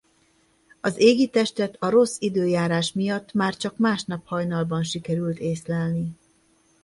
Az égitestet a rossz időjárás miatt már csak másnap hajnalban sikerült észlelni.